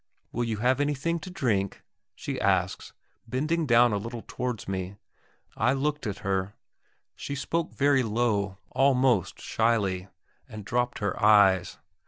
"Will you have anything to drink?" she asks, bending down a little towards me. I looked at her. She spoke very low, almost shyly, and dropped her eyes.